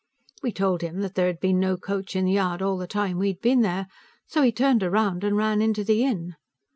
We told him that there had been no coach in the yard all the time we had been there, so he turned around and ran into the inn.